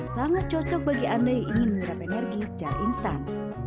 sangat cocok bagi anda yang ingin menyerap energi secara instan